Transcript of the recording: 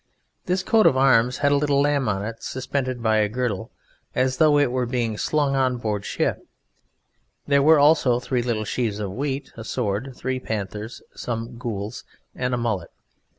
This coat of arms had a little lamb on it, suspended by a girdle, as though it were being slung on board ship; there were also three little sheaves of wheat, a sword, three panthers, some gules, and a mullet.